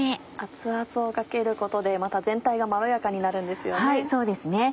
熱々をかけることでまた全体がまろやかになるんですよね。